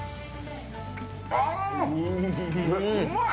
うまい。